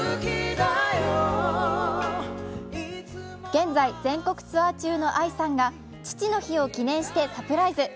現在、全国ツアー中のＡＩさんが父の日を記念してサプライズ。